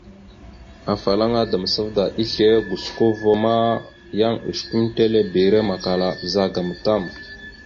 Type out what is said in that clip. Afalaŋa Damsavda islé gosko ma yan osəkʉmətelebere makala a bəzagaam tam.